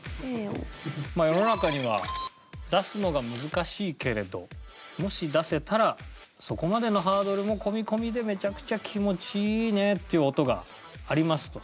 世の中には出すのが難しいけれどもし出せたらそこまでのハードルもコミコミでめちゃくちゃ気持ちいいねっていう音がありますと。